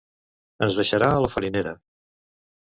ens deixarà a la Farinera